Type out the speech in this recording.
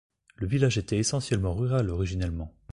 Le village était essentiellement rural originellement.